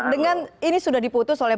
dengan ini sudah diputus oleh